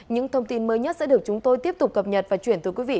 những thông tin mới nhất sẽ được chúng tôi tiếp tục cập nhật và chuyển từ quý vị